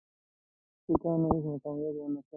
سیکهانو هیڅ مقاومت ونه کړ.